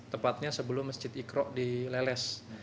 tepatnya sebelum masjid ikrok di leles